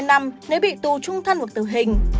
hai mươi năm nếu bị tu trung thân hoặc tử hình